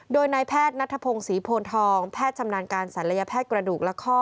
โดยนายแพทย์นัทพงศรีโพนทองแพทย์ชำนาญการศัลยแพทย์กระดูกและข้อ